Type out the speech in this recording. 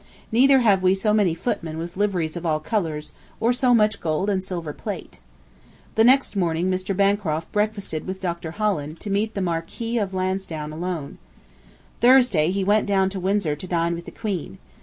Neither have we so many footmen with liveries of all colours, or so much gold and silver plate. ... The next morning Mr. Bancroft breakfasted with Dr. Holland to meet the Marquis of Lansdowne alone. [Thursday] he went down to Windsor to dine with the Queen.